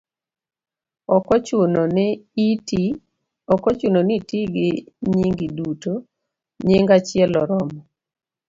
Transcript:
ok ochuno ni iti gi nyingi duto; nying achiel oromo.